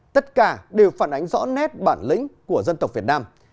tất cả đều phản ánh rõ nét bản lĩnh của dân tộc việt nam